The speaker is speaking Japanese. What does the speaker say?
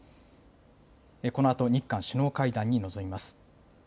このあと日韓首脳会談に臨みます。